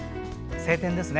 晴天ですね。